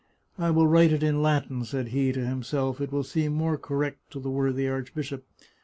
"I will write it in Latin," said he to himself ;" it will seem more correct to the worthy arch bishop."